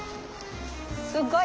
すっごい！